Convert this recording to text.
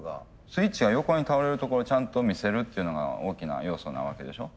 スイッチが横に倒れるところをちゃんと見せるっていうのが大きな要素なわけでしょ？